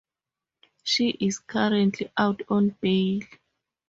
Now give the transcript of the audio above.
She is currently out on bail.